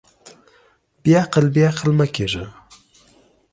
بېعقل، بېعقل مۀ کېږه.